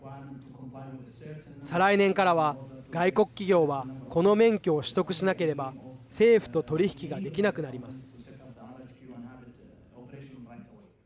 再来年からは、外国企業はこの免許を取得しなければ政府と取り引きができなくなります。